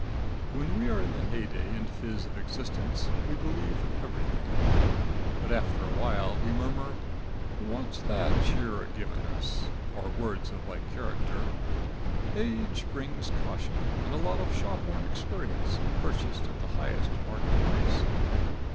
When we are in the heyday and fizz of existence, we believe everything; but after awhile we murmur: "What's that you are givin' us," or words of like character. Age brings caution and a lot of shop worn experience, purchased at the highest market price.